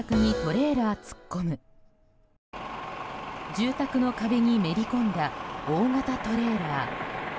住宅の壁にめり込んだ大型トレーラー。